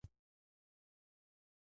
اقتصاد د پانګې او کار ګټه تعقیبوي.